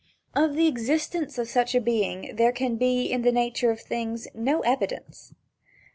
Of the existence of such a being there can be, in the nature of things, no evidence.